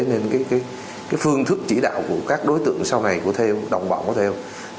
nên phương thức chỉ đạo của các đối tượng sau này của thêu đồng bọn của thêu